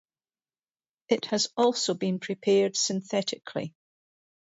It has also been prepared synthetically.